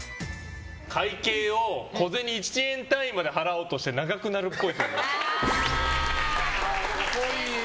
会計を小銭１円単位まで払おうとして長くなるっぽい。っぽい！